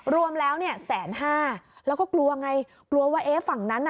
รวมแล้วเนี่ยแสนห้าแล้วก็กลัวไงกลัวว่าเอ๊ะฝั่งนั้นน่ะ